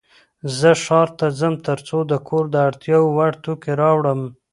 زه ښار ته ځم ترڅو د کور د اړتیا وړ توکې راوړم.